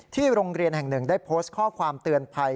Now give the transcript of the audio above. โรงเรียนแห่งหนึ่งได้โพสต์ข้อความเตือนภัย